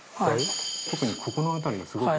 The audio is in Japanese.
特に、ここの辺りが、すごく。